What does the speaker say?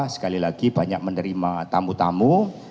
sekali lagi banyak menerima tamu tamu